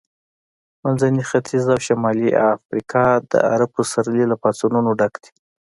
منځنی ختیځ او شمالي افریقا د عرب پسرلي له پاڅونونو ډک دي.